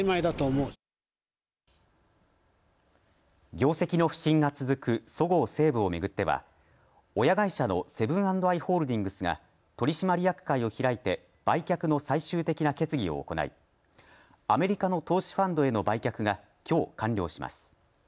業績の不振が続くそごう・西武を巡っては親会社のセブン＆アイ・ホールディングスが取締役会を開いて売却の最終的な決議を行いアメリカの投資ファンドへの売却がきょう完了します。